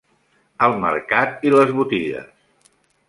El mercat i les botigues